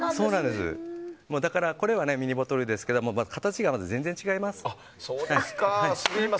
だからこれはミニボトルですが形が全然違います。